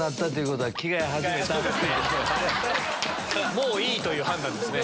もういい！という判断ですね。